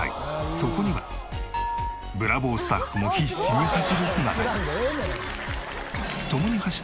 そこには『ブラボー』スタッフも必死に走る姿が。